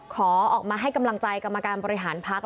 ขอออกมาให้กำลังใจกรรมการบริหารพัก